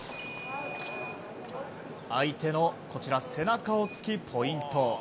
相手の背中を突き、ポイント。